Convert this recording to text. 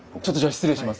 失礼します。